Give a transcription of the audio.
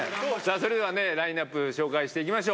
それでは、ラインナップ、紹介していきましょう。